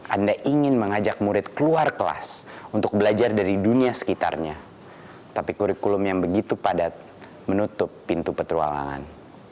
anda ingin mengajak murid keluar kelas untuk belajar dari dunia sekitarnya tapi kurikulum yang begitu padat menutup pintu petualangan